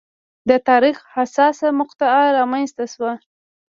د تاریخ حساسه مقطعه رامنځته شوه.